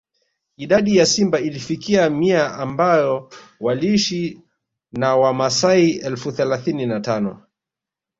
Idadi ya simba ilifikia mia ambao waliishi na wamaasai elfu thelathini na tano